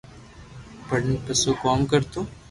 پڙين پسو ڪوم ڪرتو